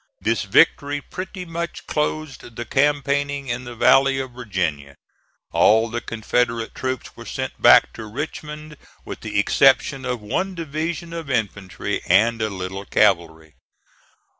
This victory pretty much closed the campaigning in the Valley of Virginia. All the Confederate troops were sent back to Richmond with the exception of one division of infantry and a little cavalry.